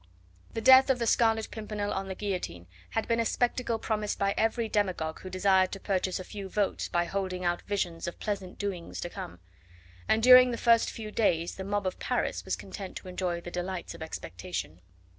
The death of the Scarlet Pimpernel on the guillotine had been a spectacle promised by every demagogue who desired to purchase a few votes by holding out visions of pleasant doings to come; and during the first few days the mob of Paris was content to enjoy the delights of expectation.